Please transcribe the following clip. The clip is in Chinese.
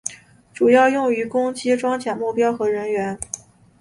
主要用于攻击装甲目标和人员。